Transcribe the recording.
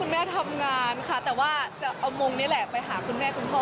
แม่ทำงานค่ะแต่ว่าจะเอามงนี่แหละไปหาคุณแม่คุณพ่อ